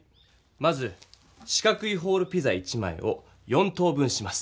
まず四角いホールピザ１枚を４等分します。